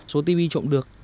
số tv trộm được